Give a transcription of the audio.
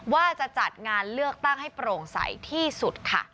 ว่าจะจัดงานเลือกตั้งให้โปร่งใสที่สุดค่ะ